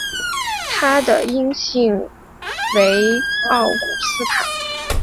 它的阴性型为奥古斯塔。